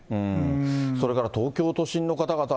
それから東京都心の方々は、